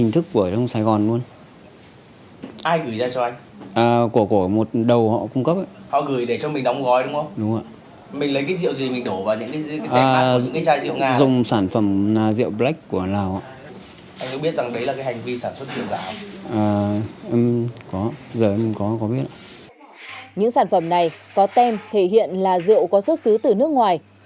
những sản phẩm này có tem thể hiện là rượu có xuất xứ từ nước ngoài